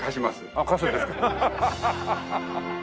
あっ貸すんですか。